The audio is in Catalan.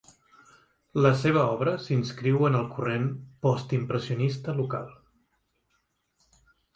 La seva obra s'inscriu en el corrent postimpressionista local.